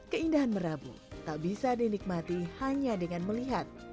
keindahan merabu tak bisa dinikmati hanya dengan melihat